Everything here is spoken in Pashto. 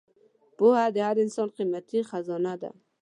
پوهه د هر انسان قیمتي خزانه ده.